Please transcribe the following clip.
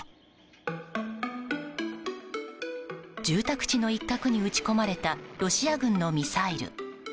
住宅地の一角に撃ち込まれたロシア軍のミサイル。